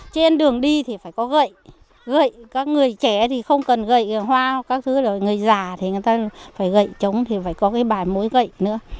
trên đường đi thì phải có gậy gậy các người trẻ thì không cần gậy hoa các thứ rồi người già thì người ta phải gậy trống thì phải có cái bài mối gậy nữa